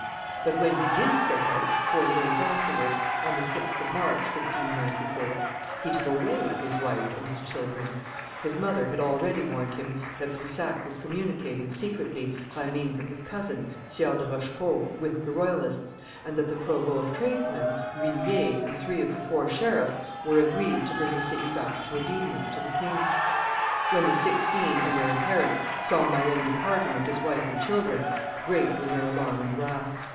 But when he did set out, four days afterwards, on the 6th of March, 1594, he took away his wife and his children; his mother had already warned him that Brissac was communicating secretly, by means of his cousin, Sieur de Rochepot, with the royalists, and that the provost of tradesmen, L'Huillier, and three of the four sheriffs were agreed to bring the city back to obedience to the king. When the Sixteen and their adherents saw Mayenne departing with his wife and children, great were their alarm and wrath.